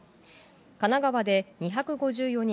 神奈川で２５４人